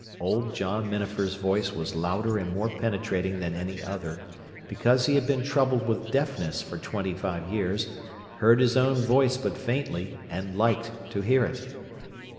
Old John Minafer's voice was louder and more penetrating than any other, because he had been troubled with deafness for twenty five years, heard his own voice but faintly, and liked to hear it.